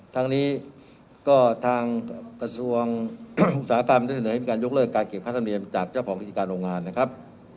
ทางนี้ก็ทางกระทรวงอุตสาหกรรมได้เสนอให้มีการยกเลิกการเก็บค่าธรรมเนียมจากเจ้าของกิจการโรงงานนะครับ